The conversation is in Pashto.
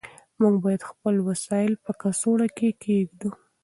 موږ باید خپل وسایل په کڅوړه کې کېږدو.